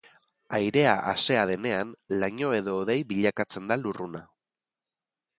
Airea asea denean, laino edo hodei bilakatzen da lurruna.